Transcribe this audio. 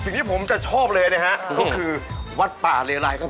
สิ่งที่ผมจะชอบเลยนะฮะก็คือจริงบ้าง